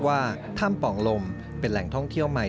ว่าถ้ำป่องลมเป็นแหล่งท่องเที่ยวใหม่